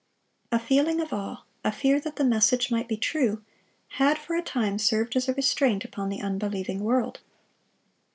(659) A feeling of awe, a fear that the message might be true, had for a time served as a restraint upon the unbelieving world.